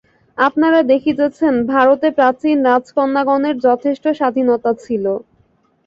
আপনারা দেখিতেছেন, ভারতে প্রাচীন রাজকন্যাগণের যথেষ্ট স্বাধীনতা ছিল।